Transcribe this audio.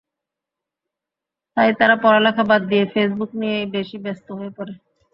তাই তারা পড়ালেখা বাদ দিয়ে ফেসবুক নিয়েই বেশি ব্যস্ত হয়ে পড়ে।